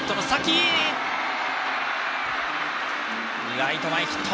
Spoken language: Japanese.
ライト前ヒット。